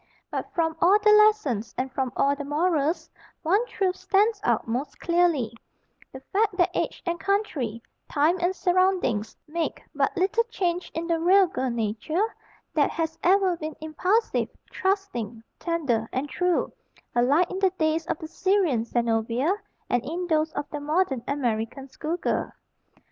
But from all the lessons and from all the morals, one truth stands out most clearly the fact that age and country, time and surroundings, make but little change in the real girl nature, that has ever been impulsive, trusting, tender, and true, alike in the days of the Syrian Zenobia and in those of the modern American school girl.